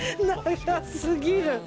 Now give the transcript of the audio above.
長すぎる！